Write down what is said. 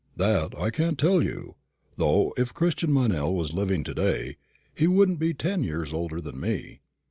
"That I can't tell you; though, if Christian Meynell was living to day, he wouldn't be ten years older than me.